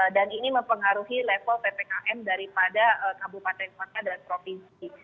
dan ini mempengaruhi level ptkm daripada kabupaten kota dan provinsi